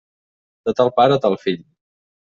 De tal pare, tal fill.